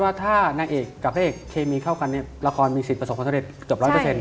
ว่าถ้านางเอกกับพ่อเอกเคมีเข้ากันสิทธิละครมีสิทธิประสงค์ของทศเดรจกับร้อยเปอร์เซ็นต์